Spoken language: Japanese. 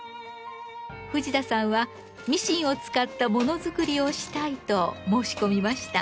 藤田さんはミシンを使ったもの作りをしたいと申し込みました。